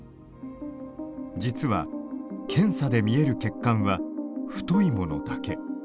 実は検査で見える血管は太いものだけ。